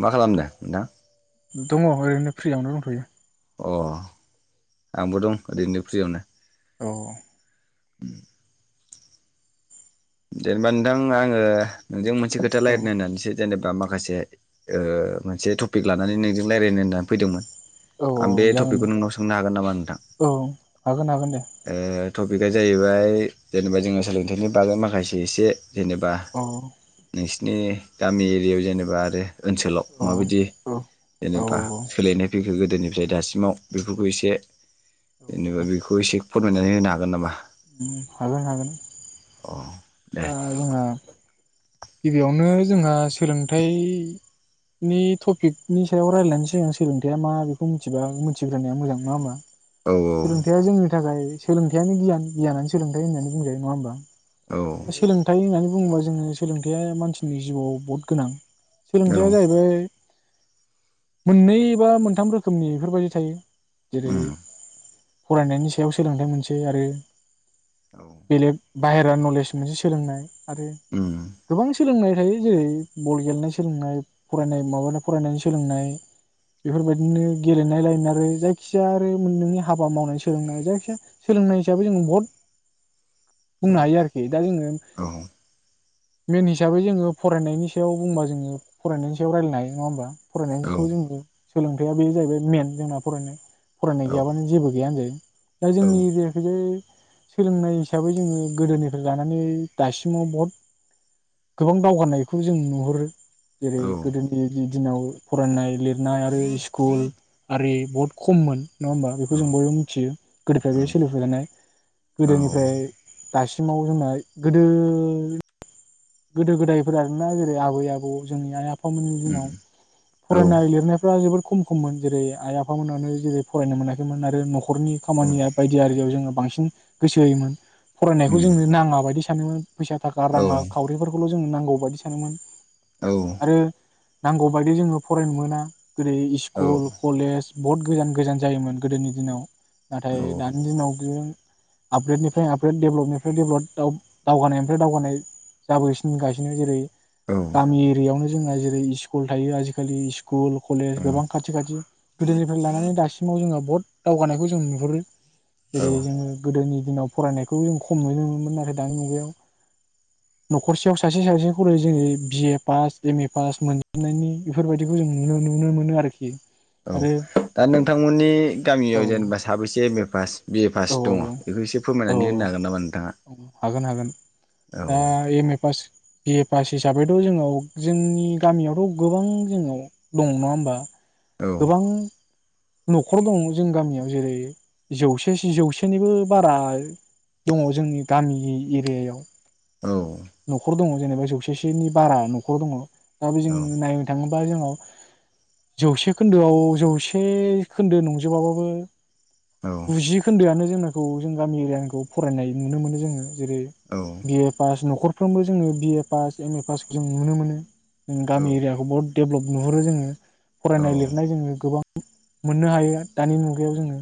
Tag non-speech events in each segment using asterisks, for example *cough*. मा खालामदों नोंथां? दङ ओरैनो फ्रियावनो दंथयो। अ आंबो दं ओरैनो फ्रियावनो। औ *inaudible* जेनेबा नोंथां आङो नोंजों मोन से खोथा औ रायलायनो होननानैसो जेनबा मा माखासे मोनसे टपिक लानानै नोंजों रायज्लायनो औ होननानै फैदोंमोन औ आं बे जागोन टपिकखौ दे नोंनाव सोंनो हागोन नामा नोंथां? औ हागोन हागोन दे ओ टपिकआ जाहैबाय जेनेबा जोङो सोलोंथाइनि बागै माखा से एसे जेनेबा औ नोंसिनि गामि एरियायाव जेनेबा आरो ओनसोलाव औ माबायदि औ औ जेनेबा सोलायनाय फैखो गोदो गोदोनिफ्राय दासिमाव बेफोरखौ एसे जेनेबा बेखौ एसे फोरमायनानै होनो हागोन नामा? उम हागोन हागोन। अ दे ओ जोंहा। गिबियावनो जोंहा सोलोंथाइ नि टपिकनि सायाव रायलायनै जोङो सोलोंथायाइआ मा बेखौ मिथिबा मिथिग्रोनाया मोजां नङा होमबा? औ औ सोलोंथाइया जोंनि थाखाय। सोलोंथाइयानो गियान गियानानो सोलोंथाइ होननानै बुंजायो नङा होमबा? औ सोलोंथाइ होननानै बुङोबा जो ङो। सोलोंथाइया मानसिनि जिउआव बहुद गोनां। सोलोंथाइया जाहैबाय। मोननै बा मोनथाम रोखोमनि इफोरबायदि थायो। जेरै उम फरायनायनि सायाव सोलोंथाइ मोनसे आरो। औ। बेलेग बाहेरा नलेज मोनसे सोलोंनाय। आरो उम। गोबां सोलोंनाय थायो जेरै बल गेलेनाय सोलोंनाय फरायनाय माबानाय फरायनायनि सोलोंनाय। औ बेफोरबादिनो। गेलेनाय लायमारो जायखिजाया आरो नों नोंनि हाबा मावनाय सोलोंनाय जायखिजाया सोलोंनाय हिसाबै जों बहद। औ बुंनो हायोआरोखि दायो जोङो। औ मेन हिसाबै जोङो फरायनायनि सायाव बुंबा जोङो फरायनायनि सायाव रायलायनो हायो नङा होनबा? फरायनायनि सायाव जोंबो। सोलोंथाइया बे जाहैबाय मेन जोंना फरायनाय। औ फरायनाय गैयाबानो जेबो गैयानो होनजायो दा औ जोंनि उम एरियाखैजाय। सोलोंनाय हिसाबै जोङो गोदोनिफ्राय लानानै दासिमाव बहुद। गोबां दावगानायखौ जों नुहरो। जेरै औ औ उम औ गोदोनि जि। दिनाव फरायनाय लिरनाय आरो स्कुल आरि बहुद खममोन। नङा होमबा बेखौ जों बयबो मिथियो गोदोफ्राय बे सोलिफोबाय थानाय गोदोनिफ्राय दा सिमाव जोंनाय गोदो। गोदो गोदायफोर आरोना जेरै आबै आबौ जोंनि आइ आफ फामोननि दिनाव फरायनाय लिरनायफ्रा जोबोद। खम खममोन जेरै आइ आफामोनानो जेरै फरायनो मोनाखैमोन आरो न'ख न'खरनि खामानिया बायदिया आरियाव जोङो। बांसिन गोसो होयोमोन। फरायनायखौ जोंनो नाङा बायदि सानोमोन। फैसा थाखा राङा खौल' जोङो नांगौ बादि सानोमोन। औ नांगौबायदि जोङो फरायनो मोना। ओरै इस्कुल कलेज बहुद गोजान गोजान जायोमोन गोदोनि दिनाव। नाथाय दानि दिनाव इदि आपग्रेडनिफ्राय आपग्रेड डेभलपनिफ्राय डेभलप दाव-दावगानायनिफ्राय दावगानाय जाबोगासिनो गासिनो जेरै गामि एरियायावनो जोंना जेरै इस्कुल थायो आजिखालि इस स्कुल कलेज गोबां खाथि खाथि गोदोनिफ्राय लानानै दासिमाव जोङो बहुद दावगानायखौ जों नुहुरो। जेरै जोङो गोदोनि दिनाव फरायनायखौ जों खम नुनोमोनोमोन नाथाय दानि मुगायाव नखरसेयाव सासे सासे खरे जेरै बिए पास एम ए पास मोनजोबनायनि बेफोरबायदिखौ जों नुनो नुनो मोनो आरोखि। औ आरो दा नोंथांमोननि औ गामियाव जेनेबा साबैसे M A pass B A pass औ दङ बेखौ एसे औ फोरमायनानै होनो हागोन नामा औ हागोन हागोन नोंथाङा औ। पास बि ए पास हिसाबैथ' जोंनाव जोंनि गामियावथ' गोबां जोंनाव दं नङा होमबा। औ गोबां नखर दङ जों गामियाव जेरै जौसेसो जौसेनिबो बारा दङ जोंनि गामिनि एरियायाव नखर दङ जेनेबा जौसेसोनि बारा नखर दङ दा बे औ जों नायनो थाङोबा जोंनाव जौसे खोन्दोआव जौसे एसे खोन्दो नंजोबाबाबो औ गुजि खोन्दोआनो जोंनाखौ जों गामि एरियानिखौ फरायनाय नुनो मोनो जोङो। जेरै बिए पास न नखरफ्रोमबो जोङो बिए पास एम ए पास जों नुनो मोनो जों गामि एरियाखौ बहुद देभलप नुहुरो जोङो फरायनाय लिरनाय जोङो गोबां मोननो हायो दानि मुगायाव जोङो।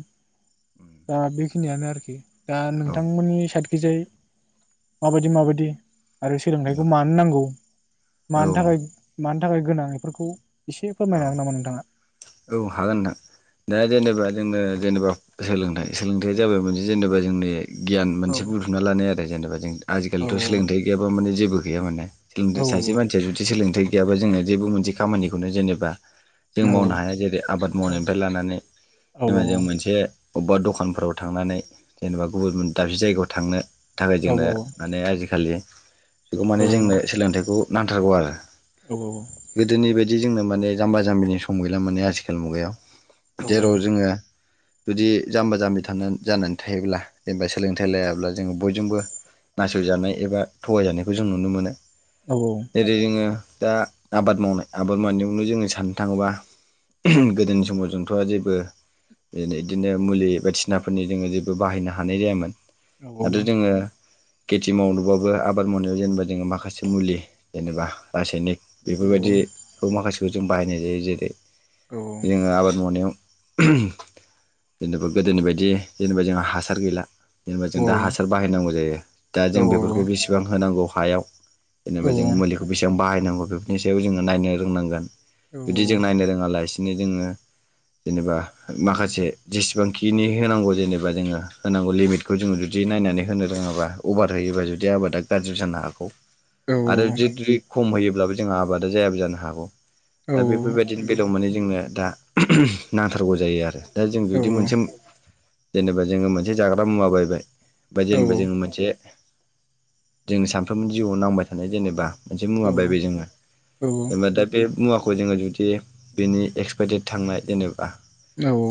दा बेखिनियानो आरोखि दा नोंथांमोननि साइडखैजाय माबायदि माबायदि आरो औ सोलोंथाइखौ मानो नांगौ औ मानो औ थाखाय मानो थाखाय गोनां इफोरखौ एसे औ फोरमायनो हागोन नामा नोंथाङा? औ हागोन नोंथां दा जेनेबा जोंनो जेनेबा सोलोंथाइ सोलोंथाइया जाबाय मोनसे जेनेबा जोंनि गियान औ मोनसे बुथुमना लानाय आरो जेनेबा जों औ आजिलिथ' सोलोंथाइ गैयाबा माने जेबो गैया माने। खिनथु औ सासे मानसिया जुदि सोलोंथाइ गैयाबा जोङो जेबो मोनसे खामानिखौनो जेनेबा जों औ मावनो हाया जेरै आबाद मावनायनिफ्राय लानानै औ जेनबा जों मोनसे बबेबा दखानफोराव थांनानै जेनेबा गुबुन दाबसे जायगायाव थांनो थाखाय जोंनो औ माने आजिखालि *inaudible* बेखौ माने जोंनो सोलोंथाइखौ नांथारगौ आरो औ औ औ बि जोंनो मानेाम्बा जाम्बिनि सम गैला माजि खालि मुगायाव जेराव जोङो जुदि जाम्बा जाम्बि थानान जानानै थायोब्ला जेनेबा सोलोंथाइ लायाब्ला जोङो बयजोंबो ना सयजानाय एबा थगायजानायखौ जों नुनो मोनो औ जेरै जोंङो दा आबाद मावनाय आबाद मावनायावनो जोङो साननो थाङोबा गोदोनि समाव जोंथ' जेबो जेरै बिदिनो औ मुलि बायदिसिना फोरनि जोङो जेबो बाहायनो हानाय जायामोन नंगौ आरो जोङो खेथि मावनोबाबो आबाद मावनायाव जेनेबा जोङो माखासे मुलि जेनेबा रासायनिक औ बेफोरबायदिखौ माखासेखौ जों बाहायनाय जायो जेरै औ जोङो आबाद मावनायाव जेनेबा गोदोनि बायदि जेनेबा जोंहा हासार गैला जेनेबा जों दा हासार बाहायनांगौ जायो दा जों बेफोरखौ बेसेबां होनांगौ हायाव जेनेबा जों मुलिखौ बेसेबां बाहायनांगौ बेफोरनि सायाव जोङो नायनो रोंनांगोन बिदि जों नायनो रोङाला सिनो जोङो जेनेबा माखासे जेसेबांखिनि होनांगौ जेनेबा जोङो होनांगौ लिमिटखौ जोङो जुदि नायनानै होनो रोङाबा अभार होयोबा जुदि आबादा गाज्रि जानो हागौ औ आरो जुदि खम होयो अब्लाबो जोंहा आबादा जायाबो जानो हागौ। दा बेफोरबायदिनि बेलायाव माने दा नांथारगौ जायो आरो। दा जों जुदि मोनसे जेनेबा जोङो मोनसे जाग्रा मुवा बायबाय बे जेनेबा जोङो मोनसे जों सानफ्रोमबो जिउआव नांबाय थानाय जेनेबा मोनसे मुवा बायबाय जोङो। जेनेबा दा बे मुवाखौ बेखौ जोङो जुदि बिनि एक्सपायारदेट थांनाय जेनेबा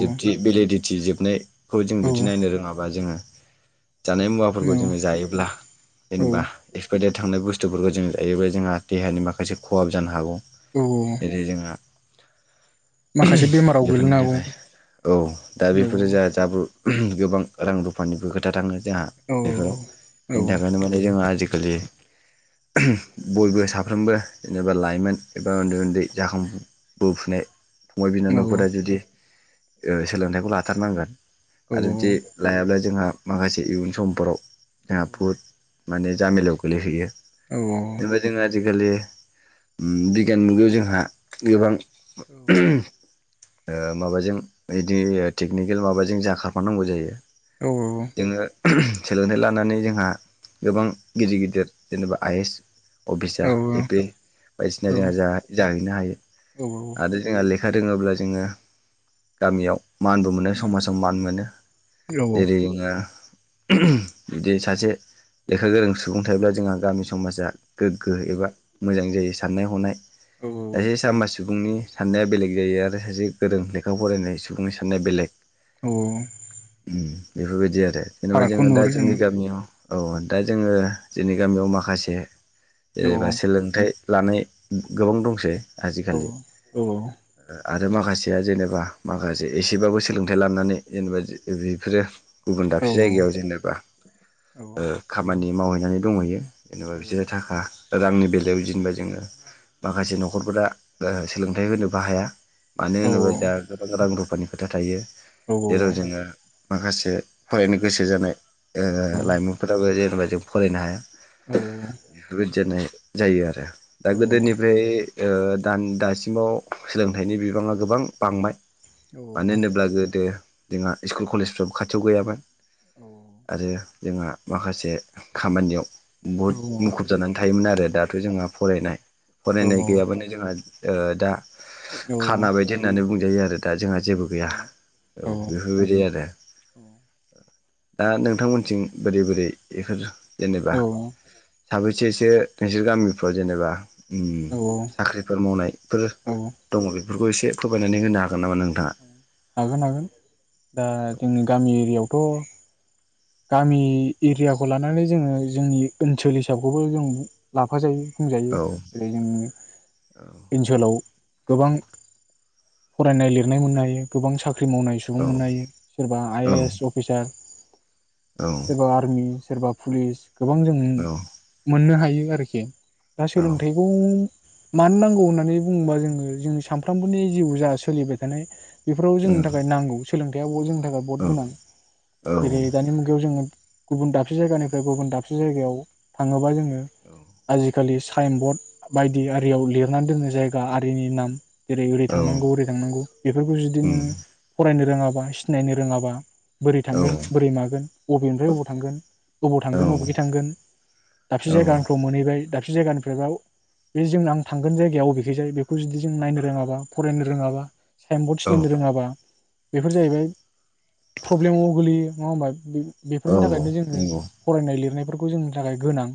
जुदि बेलेदि टि जोबनाय खौ जों जुदि नायनो रोङाबा जोङो जानाय औ मुवाफोरखौ जोङो जायोब्ला औ जेनेबा एक्सपायारदेट थांनाय बुस थुफोरखौ जों जायोब्ला जोंहा देहानि मा खासे खहाबो जानो हागौ। औ दिनै जोंहा माखासे बेमाराव बेफोरनि गोलैनो थाखाय औ दा हागौ बेफोरो जों जाब्रु गोबां रां रुफानिबो खोथा थाङो। जोङा औ बेफोराव बेनि थाखायनो माने जोंहा आजि खालि बयबो साफ्रोमबो जेनेबा लाइमोन एबा उन्दै उन्दै जाखां बोफुनाय फंबाय औ बिनानावफोरा जुदि ओ सोलोंथाइखौ लाथारनांगोन औ आरो जुदि लायाब्ला जोंहा माखासे इयुन समफोराव जाहा बुहुद माने जामेलायाव गोलैहैयो। औ बेबायदिनो आजिखालि बिगियान मुगायाव जोंहा गोबां *unintelligible* औ माबाजों बिदि टेकनिकेल माबाजों जाखारफानांगौ जायो। जोङो सोलोंथाइ लानानै जोंहा गोबां गिदिर गिदिर जेनेबा आइ एस अफिसार औ एप ए बायदिसिना जोंहा जाहैनो हायो। जोंहा लेखा रोङोब्ला जोङो गामियाव। मानबो मोनो समाजाव मान मोनो जेरै जोङो बिदि सासे लेखा गोरों सुबुं थायोब्ला जोंहा गामि समाजा गोग्गो एबा मोजां जायो। साननाय हनाय औ *unintelligible* *inaudible* सुबुंनि साननाया बेलेग जायो आरो सासे गोरों लेखा फरायनाय सुबुंनि साननाया बेलेग। औ उम। बेफोरबायदि आरो द जेनेबा फारागखौ जोङो दा नुहुरो जोंनि गामियाव औ दा जोङो जोंनि गामियाव माखासे। जेनेबा सोलोंथाइ। लानाय गोबां दंसै। औ आजिखालि। औ औ। आरो माखासेया जेनेबा माखासे एसेबाबो सोलोंथाइ लानानै जेनेबा बेफोरो। गुबुन औ दाबसे जायगायाव जेनेबा खामानि माव होननानै दंहैयो। औ जेनेबा बिसोरो थाखा। रांनि बेलायाव जेनेबा जोङो माखासे न'खरफोरा सोलों ओनोबा होनोबो हाया। मानो औ औ होनबा जोंहा गोबां रां रु खोथा थायो। औ जेराव जोंङो माखासे फरायनो गोसो जानाय ओ लायमोनफोरा जेनबा जों फरायनो हाया। बेफोरबायदियानो। जायो आरो। दा गोदोनिफ्राय दान दास सिमाव सोलोंथाइनि बिबाङा गोबां बांबाय। मानो होनोब्ला गोदो जोंहा इकल कलेजफ्राबो खाथियाव गैयाबा। आरो जोंहा माखासे खामानियाव बहद मुखुब जानानै थायोमोन आरो। दाथ' जोंहा फरायनाय फरायनाय गैयाबानो जोंहा ओ दा खाना बायदि होननानै बुं गायो आरो थ दा जोंहा जेबो गैया औ बेफोरबायदि आरो। दा नोंथांमोनथिं बोरै बोरै बेफोर औ साबैसे सो नोंसोर गामिफ्राव जेनेबा उम औ साख्रिफोर मावनाय फोर औ दङ बे फोरखौ एसे फोरमायनानै होनो हा हागोन हागोन दा जोंनि गामि एरियायाव थ' गामि एरियाखौ लानानै जोङो जोंनि ओनसोल हिसाबखौबो जों लाफाजायो। बुंजायो औ जेरै जोंनि औ ओनसोलाव गोबां फरायनाय -लिरनाय मोननो हायो गोबां साख ख्रि मावनाय सुबुं औ मोननो हायो सोरबा आइ औ एस अफिसार एबा आरमि। सोरबा पुलिस। गोबां जों नु मोननो हायो। ओरोखि दा औ उम औ सोलोंथाइखौ मानो नांगौ होननानै बुङोबा जोङो जोंनि सानफ्रोमबोनि जिउ जा सोलिबाय थानाय बेफोराव जोंनि थाखाय उम नांगौ सोलों बेयावबो जों थाखाय बहथ गोनां औ नंगौ जेरै औ खौ जोंङो गुबुन दाबसे जायगानिफ्राय गुबुन दाबसे जायगायाव थाङोबा जोङो आजिखालि साख साइन बर्ड बायदि आरियाव लिरनानै दोननो जायगा आरिनि नाम जेरै ओरै थांनांगौ ओरै थांनांगौ बेफोरखौ जुदि नोङो फरायनो रोङा बा सिनायनो रोङाबा बोरै थांगोन बोरै मागोन अबेनिफ्राय अबाव थांगोन अबाव औ औ थांगोन अबेखि थांगोन दाबसे जायगाआनफ्राव मोनहैबाय दाब दाबसे जायगानिफ्राय बाव बे जों आं थांगोन जायगायाव अबेखैजाय बेखौ जुदि जों नायनो रोङाबा फरायनो रोङाबा साइनबर्ड सिनायनो रोङाबा बेफोर जाहैबाय फ्रब्लेमाव गोलैयो नङा ओमबा बेफोरनि थाखायनो जोङो फरायनाय लिरनायफोर खौ जोंनि थाखाय गोनां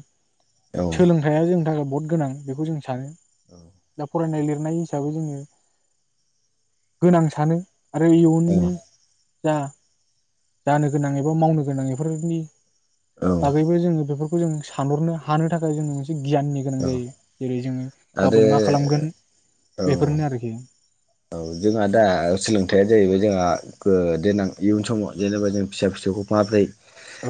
सोलोंथाइआ जोंनि थाखाय बहुत गोनां बेखौ जों सानो दा फरायनाय लिर नाय हिसाबै जोङो गोनां सानो आरो इउननि जा जानो गोनां एबा मावनो गोनां इफोरनि बागैबो जोङो बे खौ जों सानहरनो हानो थाखाय जोङो गियाननि गोनां जायो जेरै जोङो गाबोन आरो मा खालामगोन औ बेफोरनो आरोखि। औ जोंहा दा सोलोंथायआ जाहैबाय जोंहा ओ देनां इयुन समाव जेनेबा जों फिसा फिसौखौ माबोरै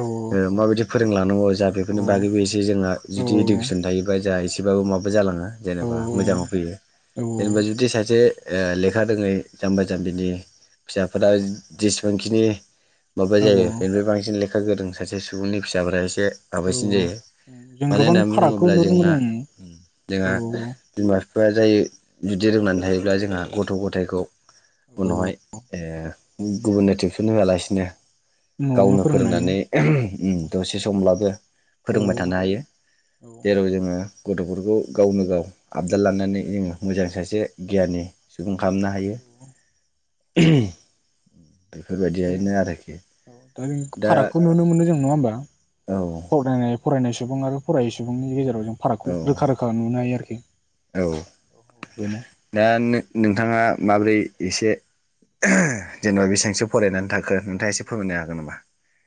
औ ओ माबायदि फोरोंलांनांगौ जा बेफोरनि बागैबो इसे जोंहा औ जुदि इडुकेसन थायोबा जा एसेबाबो माबा जालाङो औ जेनेबा मोजाङाव फैयो जेनेबा जुदि सासे ए लेखा रोङै जाम्बा जाम्बिनि फिसाफोरा जेसेबांखिनि माबा औ जायो औ बेनिफ्राय बांसिन ले लेखा गोरों सा सुबुंनि फिसाफोरा एसे से औ माबासिन जायो जों मानो गोबां होनना फारागखौ बुङोब्ला नुहुरनो जोंहा मोनो औ जोंहा बिमा *unintelligible* जायो जुदि रोंनानै थायो । ब्ला जोंहा गथ' औ गथायखौ औ औ उनावहाय ए गुबुननो टिउसन होआलासिनो न'आवनो गावनो फोरोंनो हायो फोरोंनानै दसे समब्लाबो औ फोरोंबाय थानो हायो। औ जेराव जोङो गथ'फोरखौ गावनो गाव आबदार लानानै जोङो मोजां सासे गियानि सुबुं खालामनो हायो। *inaudible* औ बेफोरबायदियैनो आरोखि औ दा दा फारागखौ नुनो मोनो जों नङा होमबा औ फरायनाय फरायनाय सुबुं आरो फरायै सुबुंनि गेजेराव जों औ फारागखौ रोखा रोखा नुनो हायो आरो *unintelligible* औ दा नो-नोंथाङा माब्रै एसे जेनेबा बेसेबांसो फरायनानै था औ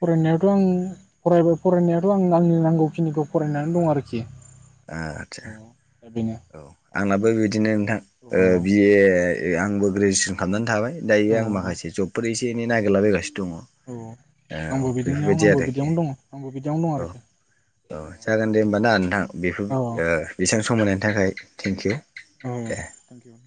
फरायनायावथ' आं फरायबो फरायनायाथ' आं आंनि नांगौखिनिखौ फरायनानै दं आरोखि आदसा औ दा बेनो औ आंना बो बिदिनो ओम नोंथां औ ओ बि ए ए आंबो ग्रेजुवेसन खालामनानै थाबाय। दायो औ आं माखासे जबफोर एसे एनै औ नागिरलाबायगासिनो औ दङ‌ औ आंबो बिदिनो बेफोरबायदि आंबो आरोखि बिदियावनो दङ आंबो बिदियावनो दं औ आरोखि औ जागोन दे होमबा ना नोंथां ओम ओ औ बेसेबां सम होनायनि थाखाय थेंक इउ औ थेंक इउ।